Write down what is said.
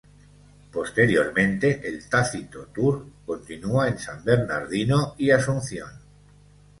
Posteriormente el Tácito Tour continúa en San Bernardino y Asunción.